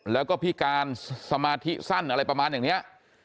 แล้วก็พิการสมาธิสั้นอะไรประมาณอย่างนี้